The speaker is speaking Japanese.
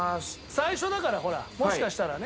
最初だからほらもしかしたらね。